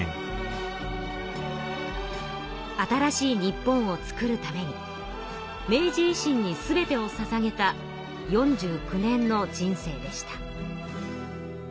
新しい日本をつくるために明治維新にすべてをささげた４９年の人生でした。